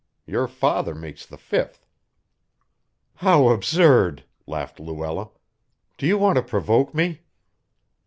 Your father makes the fifth." "How absurd!" laughed Luella. "Do you want to provoke me?"